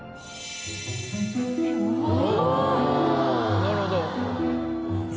なるほど。